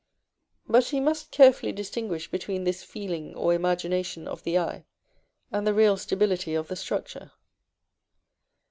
But he must carefully distinguish between this feeling or imagination of the eye, and the real stability of the structure.